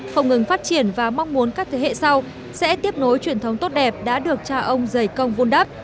không ngừng phát triển và mong muốn các thế hệ sau sẽ tiếp nối truyền thống tốt đẹp đã được cha ông giày công vun đắp